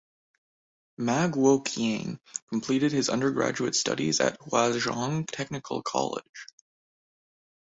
Ma Guoqiang completed his undergraduate studies at Huazhong Technical college.